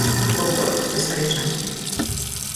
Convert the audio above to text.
O autor, Cesáreo Sánchez.